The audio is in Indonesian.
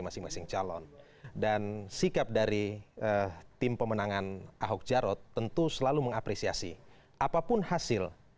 masing masing calon dan sikap dari tim pemenangan ahok jarot tentu selalu mengapresiasi apapun hasil